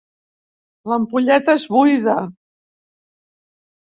L'ampolleta és buida.